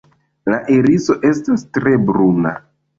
La iriso estas tre bruna.